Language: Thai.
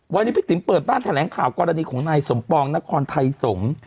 วันนี้พี่ติ๋มเปิดบ้านแถลงข่าวกรณีของนายสมปองนครไทยสงฆ์